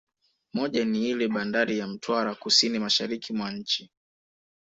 Moja ni iile bandari ya Mtwara kusini mashariki mwa nchi